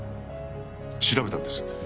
調べたんです。